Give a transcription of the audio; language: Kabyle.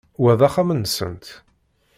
Wa d axxam-nsent?